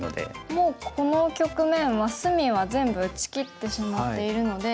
もうこの局面は隅は全部打ちきってしまっているので。